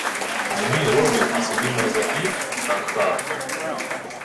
— Мені — робів, а собі морзаків? Ха-ха!